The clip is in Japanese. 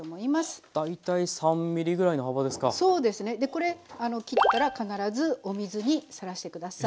これ切ったら必ずお水にさらして下さい。